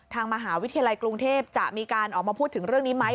ทางมหาวิทยาลัยกรุงเทพจะมีการออกมาพูดถึงเรื่องนี้ไหม